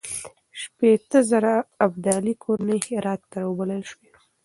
شپېته زره ابدالي کورنۍ هرات ته راوبلل شوې.